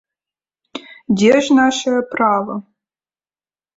Дзе ж нашае права?